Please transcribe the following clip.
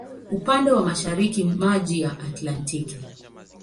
Upande wa mashariki maji ya Atlantiki.